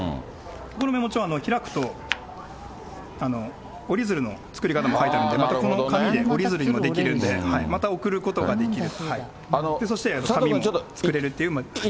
このメモ帳開くと、折り鶴の作り方も書いてあるので、またこの紙で、折り鶴も出来るんで、また送ることができる。